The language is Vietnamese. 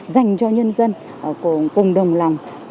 dành cho nhân dân cùng đồng lòng